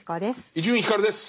伊集院光です。